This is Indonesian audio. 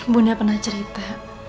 bunda pernah cerita